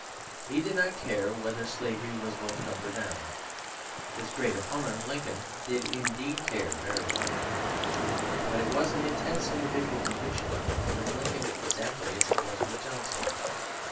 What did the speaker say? He 'did not care whether slavery was voted up or voted down.' His great opponent Lincoln did indeed care very much. But it was an intense individual conviction with Lincoln exactly as it was with Johnson.